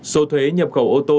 số thuế nhập khẩu ô tô